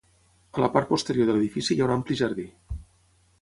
A la part posterior de l'edifici hi ha un ampli jardí.